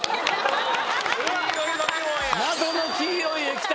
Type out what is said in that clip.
謎の黄色い液体！